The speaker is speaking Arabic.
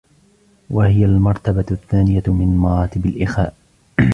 وَهِيَ الْمَرْتَبَةُ الثَّانِيَةُ مِنْ مَرَاتِبِ الْإِخَاءِ